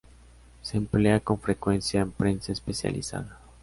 Se emplea con frecuencia en prensa especializada.